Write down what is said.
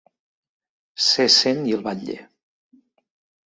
Ser cent i el batlle.